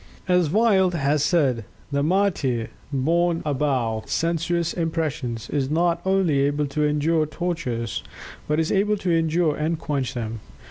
As Wyld has said, "The martyr borne above sensuous impressions, is not only able to endure tortures, but is able to endure and quench them.